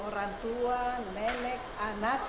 orang tua nenek anak